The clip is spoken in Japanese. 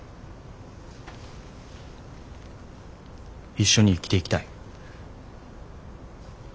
一緒に生きていきたい。